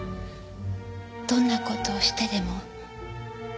どんな事をしてでも。